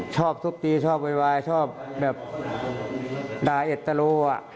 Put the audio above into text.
ชอบทุบตีชอบวัยวายชอบด่าเอ็ดตะโล